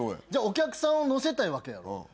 じゃあお客さんを乗せたいわけやろ。